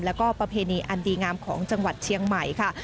แล้วก็ประเพณีอันดีงามของจังหวัดเชียงใหม่ค่ะ